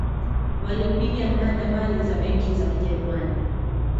walipiga mnada mali za benki za kijerumani